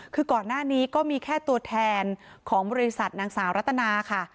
ก่อนหน้านีก็มีแค่ตัวแทนของบริศัทร์นางสาวรัตนา